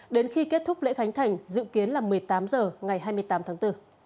đến khi kết thúc lễ khánh thành dự kiến là một mươi tám h ngày hai mươi tám tháng bốn